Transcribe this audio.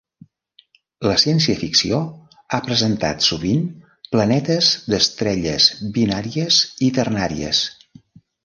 La ciència-ficció ha presentat sovint planetes d'estrelles binàries i ternàries.